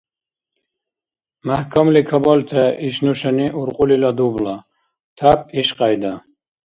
МяхӀкамли кабалтехӀе иш нушани уркьулила дубла. Тяп ишкьяйда.